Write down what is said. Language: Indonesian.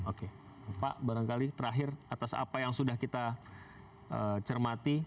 oke pak barangkali terakhir atas apa yang sudah kita cermati